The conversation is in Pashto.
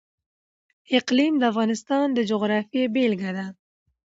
اقلیم د افغانستان د جغرافیې بېلګه ده.